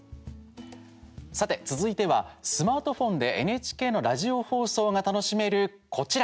さて、続いてはスマートフォンでＮＨＫのラジオ放送が楽しめるこちら。